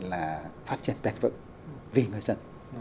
để là phát triển đẹp vững vì người dân